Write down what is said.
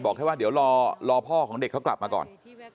แค่ว่าเดี๋ยวรอพ่อของเด็กเขากลับมาก่อน